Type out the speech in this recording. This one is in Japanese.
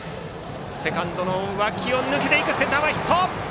セカンドの脇を抜けてセンター前ヒット！